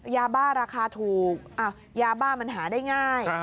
ยาบ้าราคาถูกยาบ้ามันหาได้ง่าย